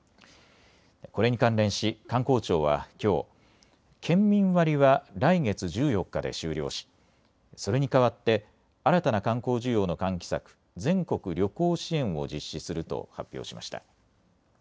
これに関連し観光庁はきょう、県民割は来月１４日で終了しそれに代わって新たな観光需要の喚起策、全国旅行支援を実施すると発表しました。